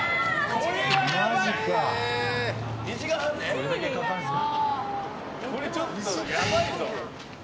どれだけかかるんすか。